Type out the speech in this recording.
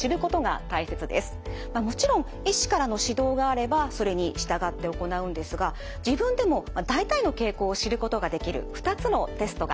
まあもちろん医師からの指導があればそれに従って行うんですが自分でも大体の傾向を知ることができる２つのテストがあります。